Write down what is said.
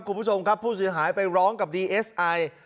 คุณผู้ชมครับผู้เสียหายไปร้องกับดีเอสไอ